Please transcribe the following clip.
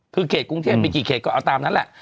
คือเขตกรุงเทพมีกี่เขตก็เอาตามนั้นแหละ